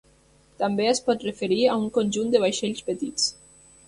També es pot referir a un conjunt de vaixells petits.